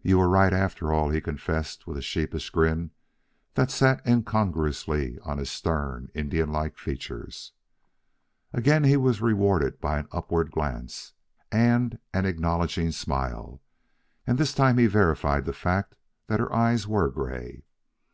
"You were right, after all," he confessed, with a sheepish grin that sat incongruously on his stern, Indian like features. Again he was rewarded by an upward glance and an acknowledging smile, and this time he verified the fact that her eyes were gray.